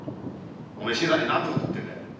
お前新さんに何を言ってんだい。